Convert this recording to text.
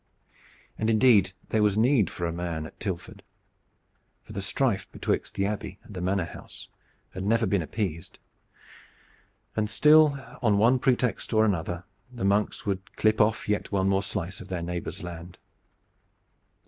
And indeed, there was need for a man at Tilford, for the strife betwixt the Abbey and the manor house had never been appeased, and still on one pretext or another the monks would clip off yet one more slice of their neighbor's land.